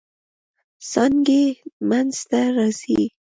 څانګې منځ ته راځي.